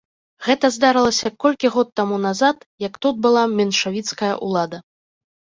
Гэта здарылася колькі год таму назад, як тут была меншавіцкая ўлада.